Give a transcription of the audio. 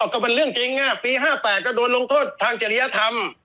ก็เป็นเรื่องจริงปี๕๘ก็โดนลงโทษทางจริยธรรม